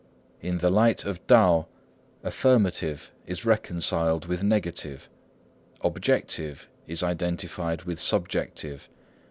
"In the light of Tao, affirmative is reconciled with negative; objective is identified with subjective.